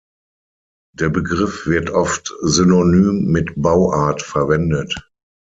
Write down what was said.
Der Begriff wird oft synonym mit Bauart verwendet.